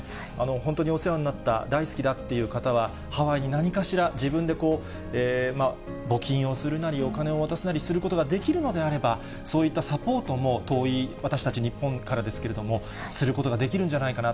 本当にお世話になった大好きだっていう方は、ハワイに何かしら、自分でこう、募金をするなり、お金を渡すなりすることができるのであれば、そういったサポートも、遠い私たち日本からですけれども、することができるんじゃないかな。